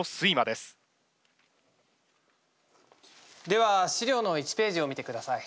では資料の１ページを見てください。